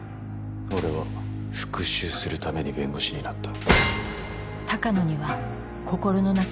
俺は復讐するために弁護士になった。